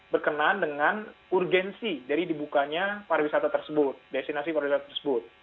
berkenaan dengan urgensi dari dibukanya pariwisata tersebut destinasi pariwisata tersebut